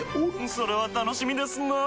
それは楽しみですなぁ。